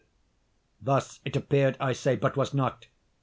Thus it appeared, I say, but was not.